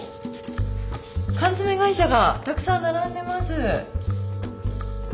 缶詰会社がたくさん並んでます。